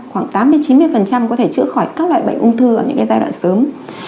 khoảng tám mươi chín mươi có thể chữa khỏi các loại bệnh ung thư ở những giai đoạn sớm